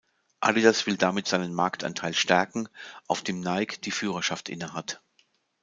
Adidas will damit seinen Marktanteil stärken, auf dem Nike die Führerschaft innehat.